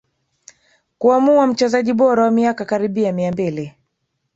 Kuamua mchezaji bora wa miaka karibia mia mbili